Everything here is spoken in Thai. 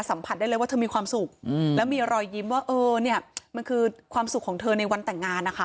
สัมผัสได้เลยว่าเธอมีความสุขแล้วมีรอยยิ้มว่าเออเนี่ยมันคือความสุขของเธอในวันแต่งงานนะคะ